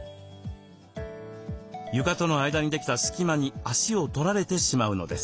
床との間にできた隙間に足を取られてしまうのです。